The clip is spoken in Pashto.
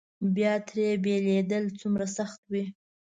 بیا ترې بېلېدل څومره سخت وي.